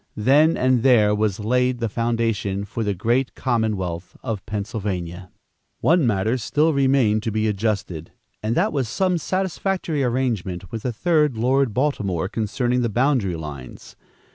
Then and there was laid the foundation for the great commonwealth of Pennsylvania. One matter still remained to be adjusted, and that was some satisfactory arrangement with the third Lord Baltimore, concerning the boundary lines.